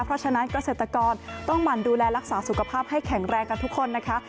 เพราะฉะนั้นเกษตรกรต้องหมั่นดูแลรักษาสุขภาพให้แข็งแรงกันทุกคนนะคะ